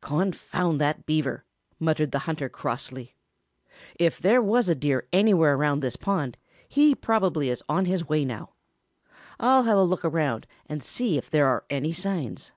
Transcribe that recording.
"Confound that Beaver!" muttered the hunter crossly. "If there was a Deer anywhere around this pond, he probably is on his way now. I'll have a look around and see if there are any signs."